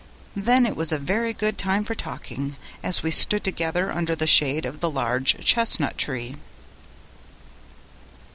Then it was a very good time for talking, as we stood together under the shade of the large chestnut tree.